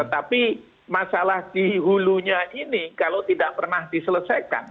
tapi masalah di hulunya ini kalau tidak pernah diselesaikan